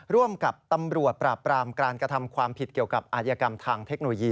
ร่วมกับตำรวจปราบปรามการกระทำความผิดเกี่ยวกับอาชญากรรมทางเทคโนโลยี